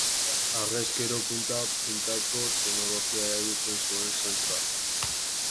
Harrezkero, punta-puntako teknologia erabiltzen zuen zentroak.